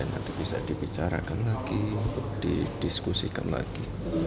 nanti bisa dibicarakan lagi didiskusikan lagi